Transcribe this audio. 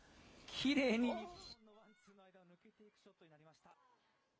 きれいに日本のワン、ツーの間を抜けていくショットとなりました。